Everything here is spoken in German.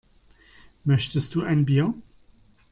Möchtest du ein Bier?